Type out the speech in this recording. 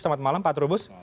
selamat malam pak trubus